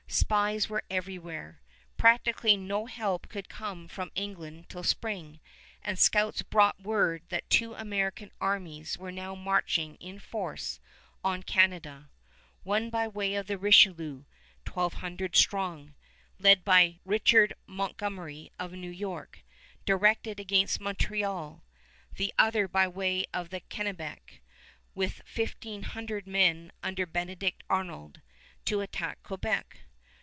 Spies were everywhere. Practically no help could come from England till spring, and scouts brought word that two American armies were now marching in force on Canada, one by way of the Richelieu, twelve hundred strong, led by Richard Montgomery of New York, directed against Montreal; the other by way of the Kennebec, with fifteen hundred men under Benedict Arnold, to attack Quebec.